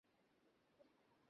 আমাদের টেবিলে যেন না বসে।